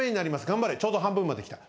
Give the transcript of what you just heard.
頑張れちょうど半分まできた。